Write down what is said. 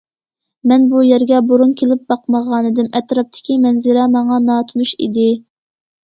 مەن بۇ يەرگە بۇرۇن كېلىپ باقمىغانىدىم، ئەتراپتىكى مەنزىرە ماڭا ناتونۇش ئىدى.